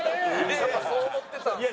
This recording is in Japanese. やっぱそう思ってたんですね。